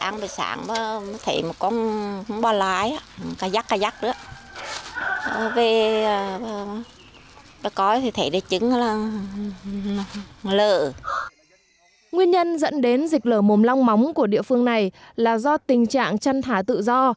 nguyên nhân dẫn đến dịch lở mồm long móng của địa phương này là do tình trạng chăn thả tự do